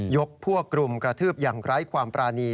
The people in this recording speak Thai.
ยกพวกกลุ่มกระทืบอย่างไร้ความปรานี